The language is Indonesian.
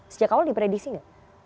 sejak awal diprediksi nggak